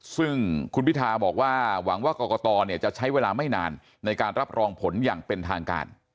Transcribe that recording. ซึ่งคุณพิทาบอกว่าหวังว่ากรกตจะใช้เวลาไม่นานในการรับรองผลอย่างเป็นทางการ